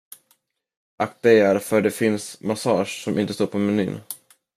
Akta er för det finns massage som inte står på menyn.